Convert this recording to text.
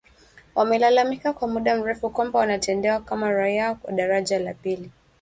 Wamelalamika kwa muda mrefu kwamba wanatendewa kama raia wa daraja la pili.